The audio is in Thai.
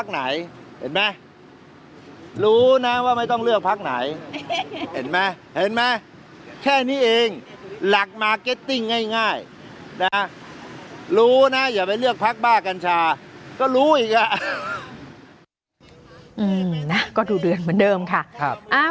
ก็ดูเดือดเหมือนเดิมค่ะ